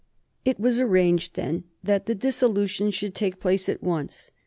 It was arranged, then, that the dissolution should take place at once.